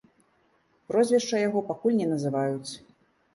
Прозвішча яго пакуль не называюць.